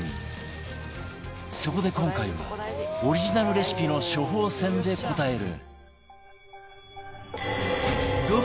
そこで今回はオリジナルレシピの処方箋で応える